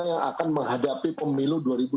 yang akan menghadapi pemilu